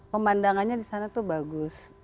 pemandangannya di sana tuh bagus